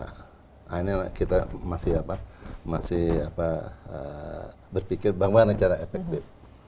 akhirnya kita masih berpikir bagaimana cara efektif